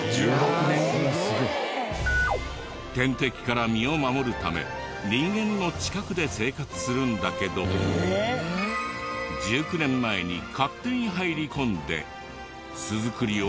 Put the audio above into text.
天敵から身を守るため人間の近くで生活するんだけど１９年前に勝手に入り込んで巣作りを始めちゃったんだって。